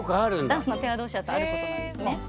ダンスのペアどうしだとあることなんですね。